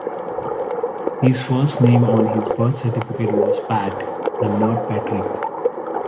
His first name on his birth certificate was Pat and not Patrick.